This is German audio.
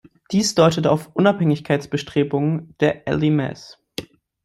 Dies deutet auf Unabhängigkeitsbestrebungen der Elymais.